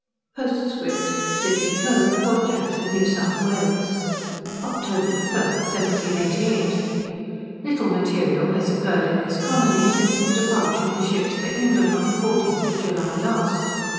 POSTSCRIPT Sydney Cove, Port Jackson, New South Wales. October 1st, 1788. Little material has occurred in this colony since the departure of the ships for England, on the 14th July last.